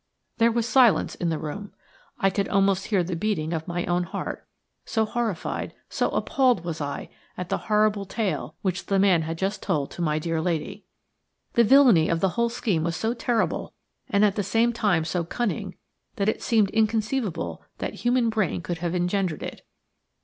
There was silence in the room. I could almost hear the beating of my own heart, so horrified, so appalled was I at the horrible tale which the man had just told to my dear lady. The villainy of the whole scheme was so terrible, and at the same time so cunning, that it seemed inconceivable that human brain could have engendered it.